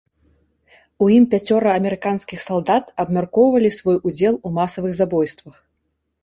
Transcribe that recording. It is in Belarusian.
У ім пяцёра амерыканскіх салдат абмяркоўвалі свой удзел у масавых забойствах.